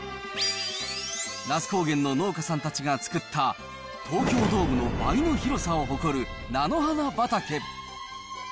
那須高原の農家さんたちが作った、東京ドームの倍の広さを誇る菜の花畑。